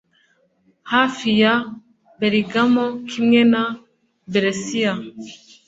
hafi ya Bergamo kimwe na Brescia